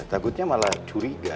takutnya malah curiga